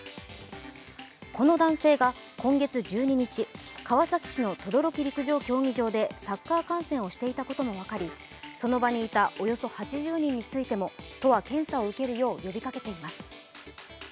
この男性が今月１２日川崎市の等々力陸上競技場でサッカー観戦をしていたことが分かり、その場にいたおよそ８０人についても都は検査を受けるよう呼びかけています。